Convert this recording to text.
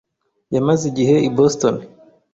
Yamaze igihe i Boston.